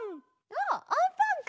ああんパンか！